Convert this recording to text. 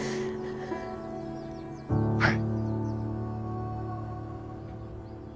はい。